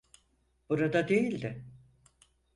Burada değildi.